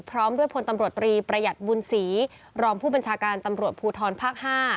พร้อมด้วยพลตำรวจตรีประหยัดบุญศรีรองผู้บัญชาการตำรวจภูทรภาค๕